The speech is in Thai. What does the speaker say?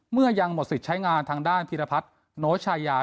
เมื่อยังหมดสิทธิ์ใช้งานทางด้านพิรพัฒน์โนชายา